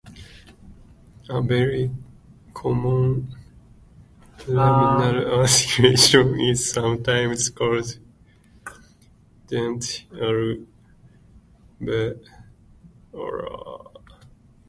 A very common laminal articulation is sometimes called denti-alveolar.